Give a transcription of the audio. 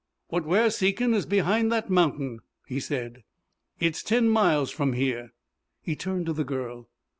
"What we're seekin' is behind that mountain," he said. "It's ten miles from here." He turned to the girl.